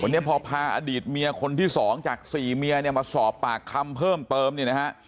วันนี้พอพาอดีตเมียคนที่สองจากสี่เมียเนี่ยมาสอบปากคำเพิ่มเติมเนี่ยนะฮะ